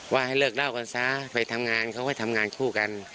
ว่าให้เลิกเล่ากันซะไปทำงานเขาก็ทำงานคู่กัน